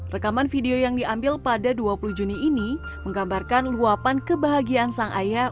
rekaman video yang diambil pada dua puluh juni ini menggambarkan luapan kebahagiaan sang ayah